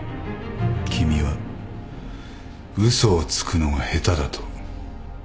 君は嘘をつくのが下手だと。